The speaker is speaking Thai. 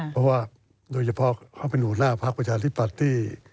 เพราะว่าโดยเฉพาะค่าว่างผู้กำหนดหน้าภาคประชาธิปราชน์